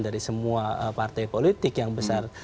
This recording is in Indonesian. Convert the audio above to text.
dari semua partai politik yang besar